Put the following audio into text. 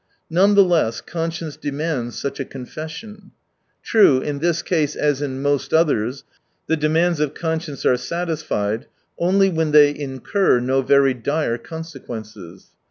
None the less, " conscience " demands such a con fession. True, in this case as in most others the demands of conscience are satisfied only when they incur no very dire conse quences.